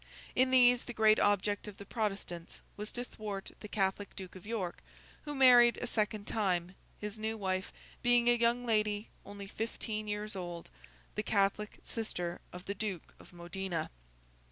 In these, the great object of the Protestants was to thwart the Catholic Duke of York, who married a second time; his new wife being a young lady only fifteen years old, the Catholic sister of the Duke of Modena.